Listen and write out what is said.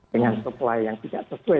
dengan supply yang tidak sesuai